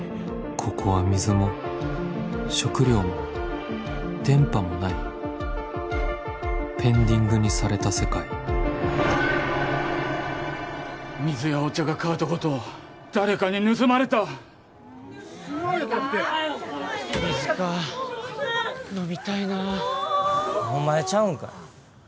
ここは水も食料も電波もないペンディングにされた世界水やお茶がカートごと誰かに盗まれた盗まれたって水か飲みたいなお前ちゃうんか？